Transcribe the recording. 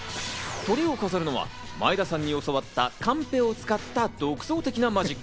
トリを飾るのは前田さんに教わったカンペを使った、独創的なマジック。